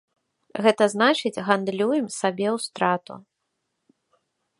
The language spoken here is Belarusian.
Гэта значыць, гандлюем сабе ў страту.